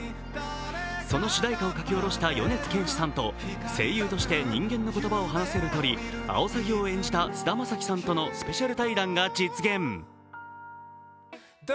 その主題歌を書き下ろした米津玄師さんと声優として人間の言葉を話せる鳥、青サギを演じた菅田将暉さんとのスペシャル対談が実現。